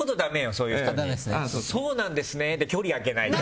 そういう人にはそうなんですねで距離開けないと。